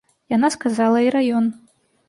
Яна сказала і раён.